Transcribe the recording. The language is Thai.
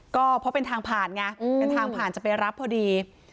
ก็เพราะเป็นทางผ่านไงเป็นทางผ่านจะไปรับพอดี